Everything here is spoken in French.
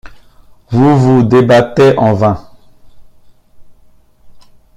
Vous vous débattez en vain.